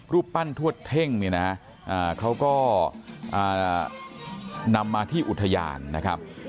รูปปั้นทวดเท่งเนี่ยนะเขาก็นำมาที่อุทยานนะครับ